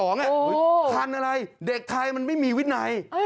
โอ้โฮคันอะไรเด็กใครมันไม่มีวินัย